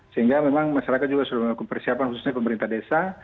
sehingga memang masyarakat juga sudah melakukan persiapan khususnya pemerintah desa